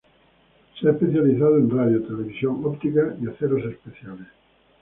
Se ha especializado en radio, televisión, óptica y aceros especiales.